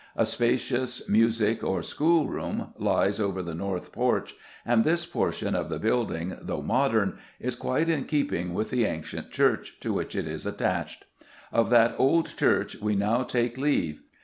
A spacious music , or school room lies over the north porch, and this portion of the building, though modern, is quite in keeping with the ancient church to which it is attached. Of that old church we now take leave.